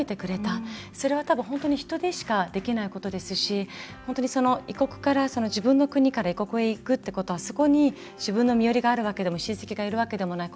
多分、それは人でしかできないことですし自分の国から異国に行くってことはそこに自分の身寄りがあるわけでも親戚がいるわけでもない。